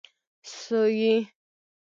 سويي